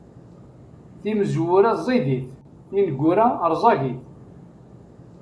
Timezwura ẓidit, tineggura rẓagit.